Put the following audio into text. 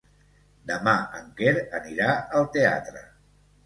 Demà en Quer anirà al teatre.